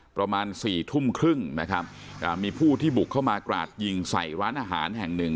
ประมาณสี่ทุ่มครึ่งนะครับอ่ามีผู้ที่บุกเข้ามากราดยิงใส่ร้านอาหารแห่งหนึ่ง